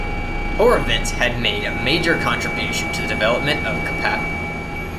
Horovitz had made a major contribution to the development of Kapap.